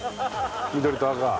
緑と赤。